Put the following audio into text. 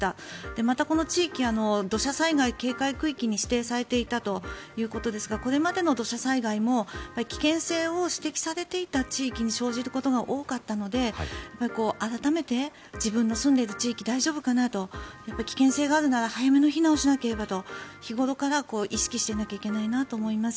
また、この地域は土砂災害警戒区域に指定されていたということですがこれまでの土砂災害も危険性を指摘されていた地域に生じることが多かったので改めて自分の住んでいる地域大丈夫かなと危険性があるなら早めの避難をしなければと日頃から意識していないといけないなと思います。